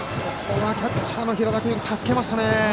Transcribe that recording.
キャッチャーの平田君が助けましたね。